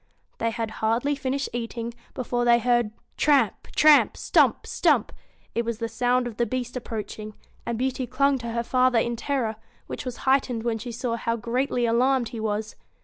They had hardly finished eating, before they heard tramp, tramp ! gtumo. stumpj It was the sound of the beast approaching ; and Beauty clung to her father in terror, which was heightened when she saw how greatly alarmed he was.